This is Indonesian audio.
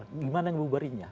bagaimana yang mau diberinya